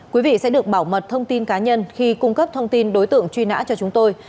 quý vị sẽ được bảo mật thông tin cá nhân khi cung cấp thông tin đối tượng truy nã cho chúng tôi